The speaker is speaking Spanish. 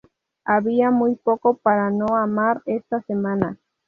Había muy poco para no amar esta semana".